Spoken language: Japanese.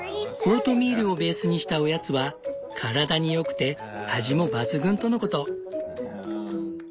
オートミールをベースにしたおやつは体に良くて味も抜群とのこと。